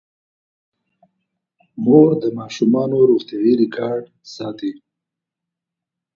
مور د ماشومانو روغتیايي ریکارډ ساتي.